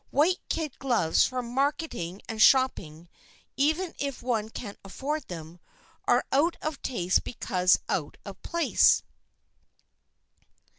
White kid gloves for marketing and shopping, even if one can afford them, are out of taste because out of place.